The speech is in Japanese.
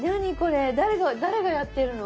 誰が誰がやってるの？